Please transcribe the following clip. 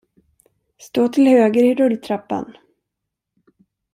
Stå till höger i rulltrappan!